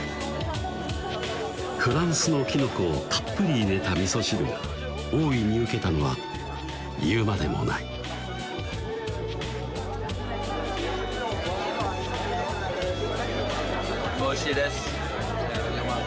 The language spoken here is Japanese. フランスのキノコをたっぷり入れた味噌汁が大いにウケたのは言うまでもない美味しいです